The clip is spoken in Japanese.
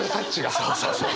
そうそうそう。